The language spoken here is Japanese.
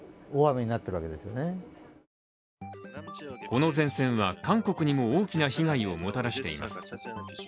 この前線は韓国にも大きな被害をもたらしています。